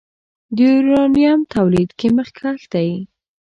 د یورانیم تولید کې مخکښ دی.